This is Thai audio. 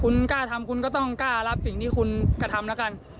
คุณกล้าทำคุณก็ต้องกล้ารับสิ่งที่คุณกระทำแล้วกัน